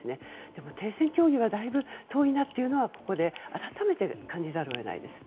でも停戦協議がだいぶ遠いなというのはここで改めて感じざるを得ないです。